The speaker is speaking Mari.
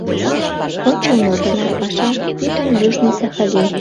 Ончылно тынар паша, пӱтынь Южный Сахалин!